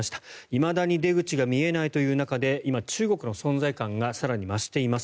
いまだに出口が見えないという中で今、中国の存在感が更に増しています。